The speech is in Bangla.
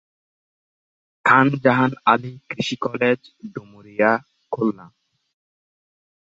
খান জাহান আলী কৃষি কলেজ, ডুমুরিয়া, খুলনা।